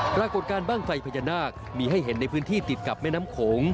ปรากฏการณ์บ้างไฟพญานาคมีให้เห็นในพื้นที่ติดกับแม่น้ำโขง